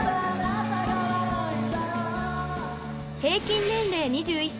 ［平均年齢２１歳］